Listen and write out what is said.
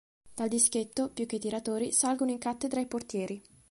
Dal dischetto, più che i tiratori, salgono in cattedra i portieri.